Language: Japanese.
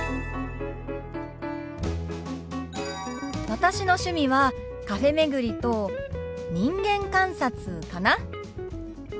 私の趣味はカフェ巡りと人間観察かな。